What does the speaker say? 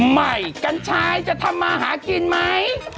ใหม่กัญชายจะทำมาหากินไหม